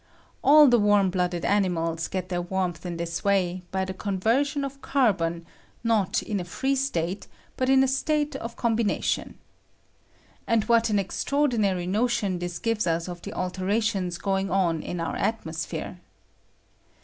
All the warm blooded animals get their k warmth in this way, by the conversion of car bon, not in a free state, but in a state of oombi ;: I i 178 TALCE OP CABBONIC ACID TO PLANTS. nation. And what an extraordinary notion this gives ua of the alterations going on in our atmcsphere.